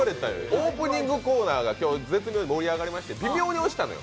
オープニングコーナーが絶妙に盛り上がって微妙に押したのよ。